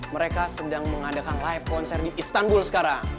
mereka sedang mengadakan live konser di istanbul sekarang